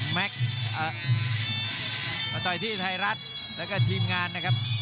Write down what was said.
มาต่อยที่ไทยรัฐแล้วก็ทีมงานนะครับ